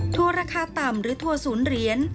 ทัวร์ราคาต่ำหรือทัวร์ศูนย์เหรียญ